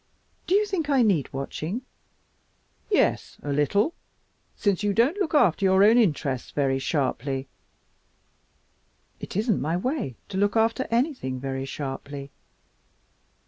"Do you think I need watching?" "Yes, a little, since you don't look after your own interests very sharply." "It isn't my way to look after anything very sharply."